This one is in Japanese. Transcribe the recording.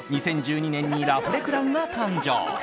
２０１２年にラフレクランが誕生。